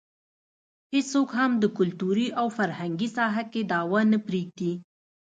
هېڅوک هم د کلتوري او فرهنګي ساحه کې دعوه نه پرېږدي.